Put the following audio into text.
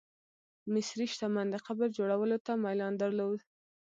مصري شتمن د قبر جوړولو ته میلان درلود.